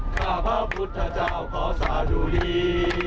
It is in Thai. ข้าพระพุทธเจ้าขอสาธุดี